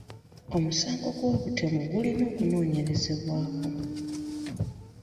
Omusango gw'obutemu gulina okunoonyerezebwako.